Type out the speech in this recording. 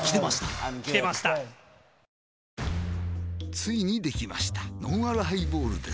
ついにできましたのんあるハイボールです